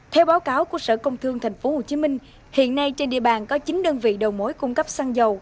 theo báo cáo của sở công thương tp hcm hiện nay trên địa bàn có chín đơn vị đầu mối cung cấp xăng dầu